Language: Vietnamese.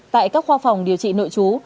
tại các khoa phòng điều trị nội chú